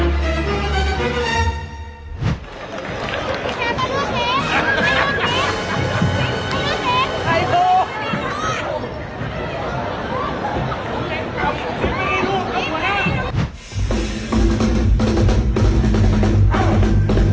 อ้าวไม่ต้องเห็นคราวนี้